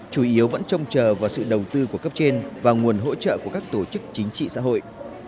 chủ yếu vẫn trông chờ vào sự đầu tư của cấp trên và nguồn hỗ trợ của các tổ chức chính trị xã hội